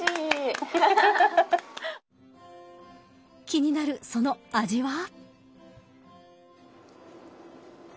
気になるその味は。